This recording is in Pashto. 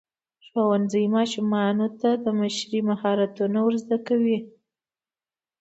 ښوونځی ماشومانو ته د مشرۍ مهارتونه ورزده کوي.